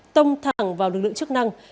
tông thẳng vào lực lượng chức năng